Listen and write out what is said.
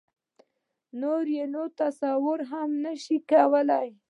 نور یې نو تصور نه شو کولای.